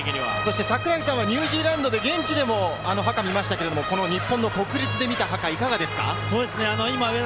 櫻井さんはニュージーランドで現地でハカを見ましたが、日本の国立で見たハカはいかがですか？